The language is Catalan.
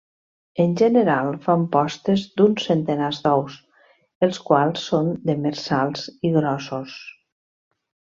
En general, fan postes d'uns centenars d'ous, els quals són demersals i grossos.